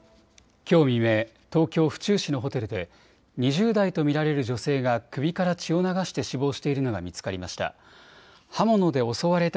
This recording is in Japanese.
きょう未明、東京府中市のホテルで２０代と見られる女性が首から血を流して死亡しているのが見つかりました。